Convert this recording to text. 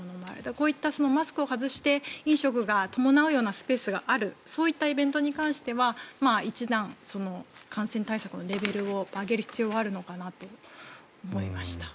こうやってマスクを外して飲食が伴うようなスペースがあるそういったことに関しては一段、感染対策のレベルを上げる必要があるのかなと思いました。